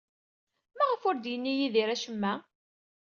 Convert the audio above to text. Maɣef ur d-yenni Yidir acemma?